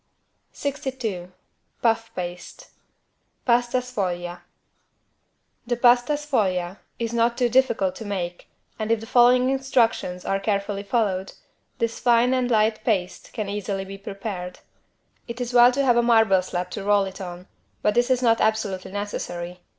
62 PUFF PASTE (Pasta sfoglia) The =Pasta sfoglia= is not too difficult to make and if the following instructions are carefully followed, this fine and light paste can easily be prepared. It is well to have a marble slab to roll it on but this is not absolutely necessary.